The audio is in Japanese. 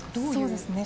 そうですね。